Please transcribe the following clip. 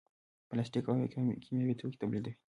پلاستیک او کیمیاوي توکي تولیدوي.